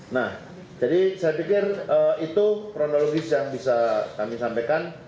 nah jadi saya pikir itu kronologis yang bisa kami sampaikan